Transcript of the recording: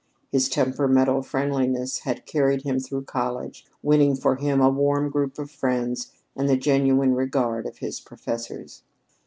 His temperamental friendliness had carried him through college, winning for him a warm group of friends and the genuine regard of his professors.